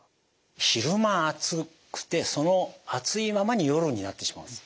昼間暑くてその暑いままに夜になってしまうんですよ。